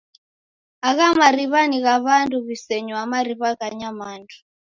Agha mariwa ni gha w'andu w'isenywaa mariw'a gha nyamandu.